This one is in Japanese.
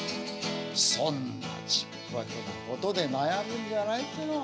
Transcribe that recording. そんなちっぽけなことで悩むんじゃないっつうの。